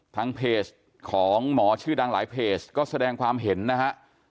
ทางเพจของหมอชื่อดังหลายเพจก็แสดงความเห็นนะฮะ